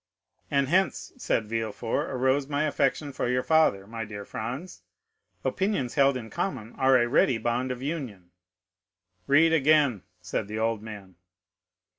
"And hence," said Villefort, "arose my affection for your father, my dear M. Franz. Opinions held in common are a ready bond of union." "Read again," said the old man.